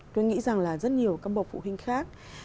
tôi nghĩ rằng là rất nhiều các bậc phụ huynh khác